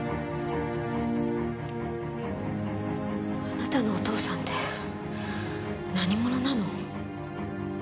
あなたのお父さんって何者なの？